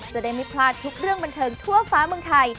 จะได้ไม่พลาดทุกเรื่องบันเทิงทั่วฟ้าเมืองไทย